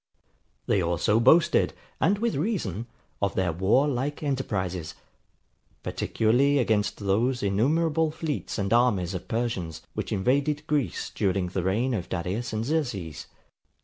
They also boasted, and with reason, of their war like enterprises; particularly against those innumerable fleets and armies of Persians, which invaded Greece during the reigns of Darius and Xerxes.